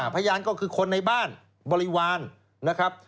พยานก็คือคนในบ้านบริวารนะครับ